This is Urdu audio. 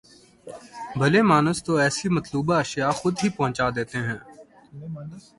بھلے مانس تو ایسی مطلوبہ اشیاء خود ہی پہنچا دیتے ہیں۔